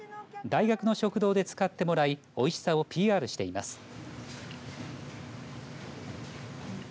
大学の食堂で使ってもらいおいしさをＰＲしています。